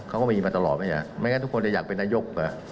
เขาก็มีมาตลอดไม่อยากไม่งั้นทุกคนจะอยากเป็นนายก